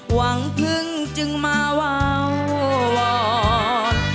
หวังพึ่งจึงมาวาวอน